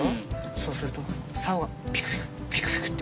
そうすると竿がピクピクピクピクって。